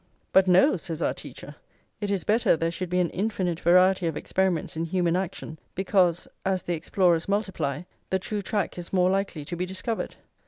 But no! says our teacher: "it is better there should be an infinite variety of experiments in human action, because, as the explorers multiply, the true track is more likely to be discovered.